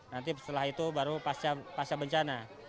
nanti setelah itu baru pasca bencana